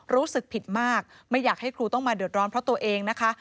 รู้สึกผิดมากไม่อยากให้ครูต้องมาเดือดร้อนเพราะตัวเองนะคะ